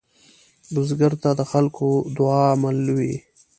بزګر ته د خلکو دعاء مل وي